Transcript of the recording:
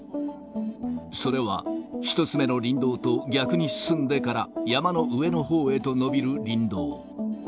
それは１つ目の林道と逆に進んでから、山の上のほうへと伸びる林道。